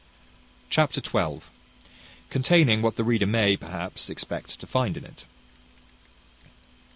Chapter xii. Containing what the reader may, perhaps, expect to find in it.